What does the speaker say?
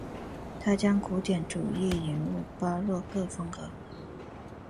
他将古典主义引入巴洛克风格。